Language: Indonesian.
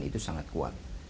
itu sangat kuat